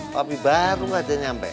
papi baru aja nggak nyampe